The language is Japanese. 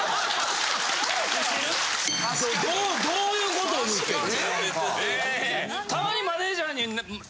どういうことを言うてんの？